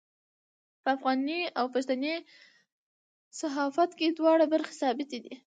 په افغاني او پښتني صحافت کې دواړه برخې ثابتې دي.